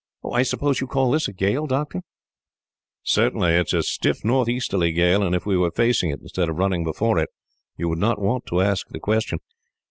"I suppose you call this a gale, doctor?" "Certainly. It is a stiff north easterly gale, and if we were facing it, instead of running before it, you would not want to ask the question.